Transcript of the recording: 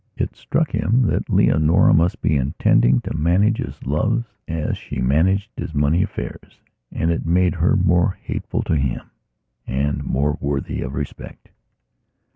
It struck him that Leonora must be intending to manage his loves as she managed his money affairs and it made her more hateful to himand more worthy of respect.